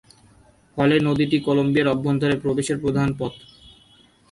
ফলে নদীটি কলম্বিয়ার অভ্যন্তরে প্রবেশের প্রধান পথ।